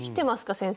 先生。